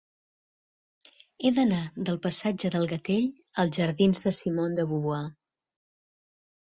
He d'anar del passatge del Gatell als jardins de Simone de Beauvoir.